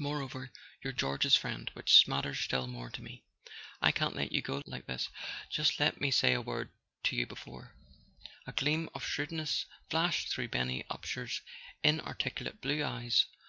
Moreover you're George's friend [ 106 ] A SON AT THE FRONT —which matters still more to me. I can't let you go like this. Just let me say a word to you before " A gleam of shrewdness flashed through Benny Up sher's inarticulate blue eyes.